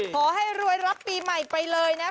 ขอให้รวยรับปีใหม่ไปเลยนะ